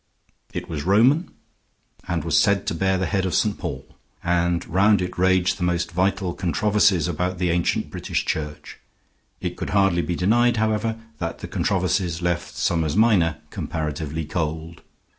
It was Roman, and was said to bear the head of St. Paul; and round it raged the most vital controversies about the ancient British Church. It could hardly be denied, however, that the controversies left Summers Minor comparatively cold.